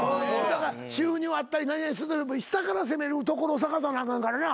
収入あったり何々するのでも下から攻める所を探さなあかんからな。